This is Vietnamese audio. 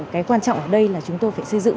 cái quan trọng ở đây là chúng tôi phải xây dựng